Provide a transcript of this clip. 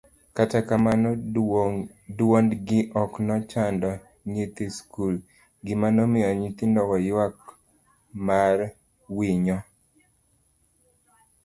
kata kamano duondgi ok nochando nyithi skul, gima nomiyo nyithindogo ywak mar winyo